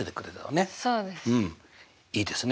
そうです。